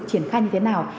triển khai như thế nào